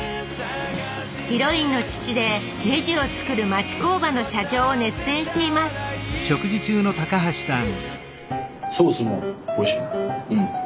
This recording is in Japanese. ヒロインの父でネジを作る町工場の社長を熱演しています高橋さん